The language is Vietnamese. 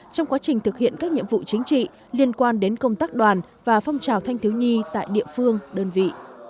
trong quá trình thực hiện các nhiệm vụ chính trị liên quan đến công tác đoàn và phong trào thanh thiếu nhi tại địa phương đơn vị